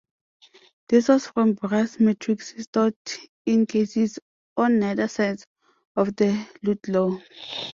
This was from brass matrix stored in cases on either side of the Ludlow.